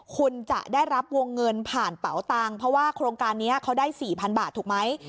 คุณจะได้รับวงเงินผ่านเป๋าตังค์เพราะว่าโครงการนี้เขาได้๔๐๐๐บาทถูกไหม